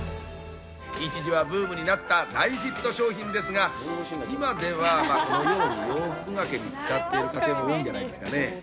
一時はブームになった大ヒット商品ですが、今ではこのように洋服がけに使っている家庭も多いんじゃないですかね。